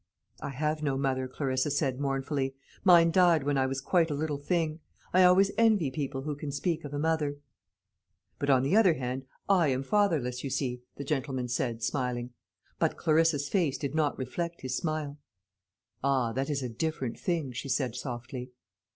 '" "I have no mother," Clarissa said mournfully; "mine died when I was quite a little thing. I always envy people who can speak of a mother." "But, on the other hand, I am fatherless, you see," the gentleman said, smiling. But Clarissa's face did not reflect his smile. "Ah, that is a different thing," she said softly.